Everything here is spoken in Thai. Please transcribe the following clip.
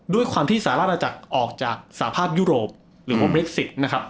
ด้วยความที่สามารถอาจจะออกจากสาภาพยุโรปหรือนะครับ